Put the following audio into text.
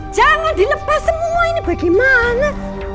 jangan dilepas semua ini bagaimana